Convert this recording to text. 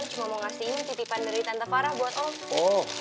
cuma mau kasihin titipan dari tante farah buat om